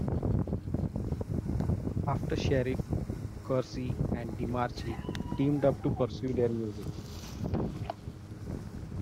After Sheriff, Curci and DeMarchi teamed up to pursue their music.